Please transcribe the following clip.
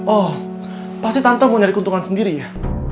oh pasti tante mau nyari keuntungan sendiri ya